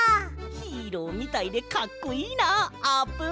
ヒーローみたいでかっこいいなあーぷん。